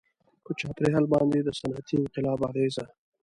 • په چاپېریال باندې د صنعتي انقلاب اغېزه.